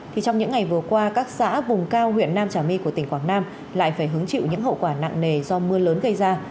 thì trong những ngày vừa qua các xã vùng cao huyện nam trà my của tỉnh quảng nam lại phải hứng chịu những hậu quả nặng nề do mưa lớn gây ra